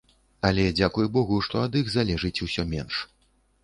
Але, дзякуй богу, што ад іх залежыць усё менш.